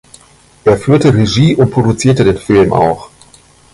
Er führte Regie und produzierte den Film auch.